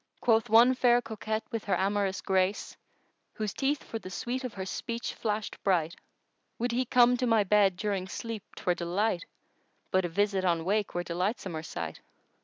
Quoth one fair coquette with her amorous grace * Whose teeth for the sweet of her speech flashèd bright:— Would he come to my bed during sleep 'twere delight * But a visit on wake were delightsomer sight!